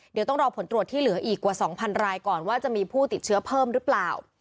เดี๋ยวต้องรอผลตรวจที่เหลืออีกกว่า๒๐๐รายก่อนว่าจะมีผู้ติดเชื้อเพิ่มหรือเปล่า